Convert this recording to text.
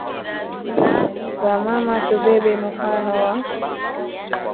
Ba mama tu bebe mufano wa Julianne Lusenge